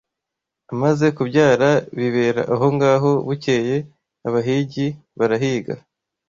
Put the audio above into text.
Amaze kubyara bibera aho ngaho bukeye abahigi barahiga